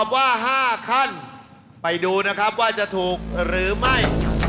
ว่า๕ขั้นไปดูนะครับว่าจะถูกหรือไม่